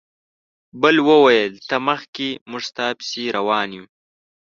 بل وویل ته مخکې موږ ستا پسې روان یو.